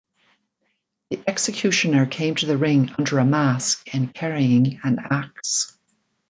The Executioner came to the ring under a mask and carrying an axe.